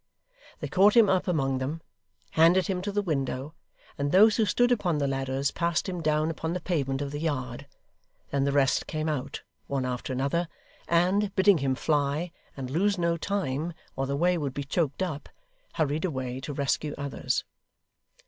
They caught him up among them, handed him to the window, and those who stood upon the ladders passed him down upon the pavement of the yard. Then the rest came out, one after another, and, bidding him fly, and lose no time, or the way would be choked up, hurried away to rescue others.